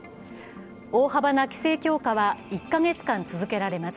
大幅な規制強化は１カ月間続けられます。